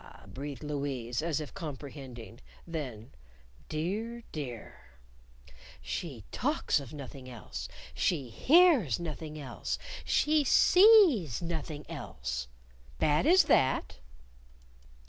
breathed Louise, as if comprehending. Then, "Dear! dear!" "She talks nothing else. She hears nothing else. She sees nothing else." "Bad as that?"